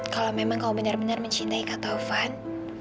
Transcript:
kalau memang kamu benar benar mencintai kak taufan